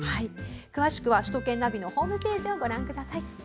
詳しくは首都圏ナビのホームページをご覧ください。